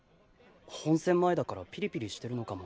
本戦前だからピリピリしてるのかも。